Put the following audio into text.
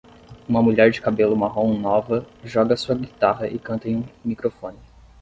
Uma mulher de cabelo marrom nova joga sua guitarra e canta em um microfone.